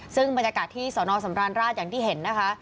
ซึ่งบรรยากาศที่สนสำราญราชอย่างที่เห็นนะคะ